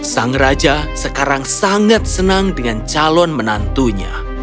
sang raja sekarang sangat senang dengan calon menantunya